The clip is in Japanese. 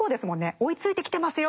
追いついてきてますよっていう。